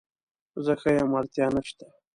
زه ښه یم اړتیا نشته